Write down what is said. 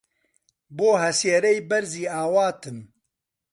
بۆ هەسێرەی بەرزی ئاواتم